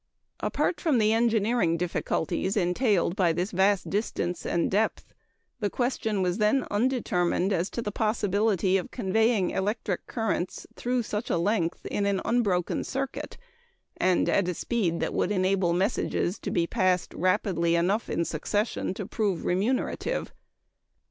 Apart from the engineering difficulties entailed by this vast distance and depth, the question was then undetermined as to the possibility of conveying electric currents through such a length in an unbroken circuit, and at a speed that would enable messages to be passed rapidly enough in succession to prove remunerative.